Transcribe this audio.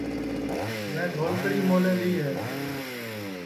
میں ڈھلکڑی مولے لائی ہے